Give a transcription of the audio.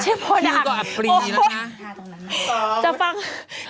คือก็อัปรีนี้น่ะนะ